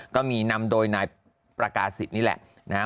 ก็มีนำโดยนายประกาศิษย์นี่แหละนะฮะ